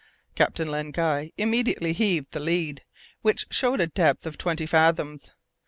Captain Len Guy immediately heaved the lead, which showed a depth of twenty fathoms.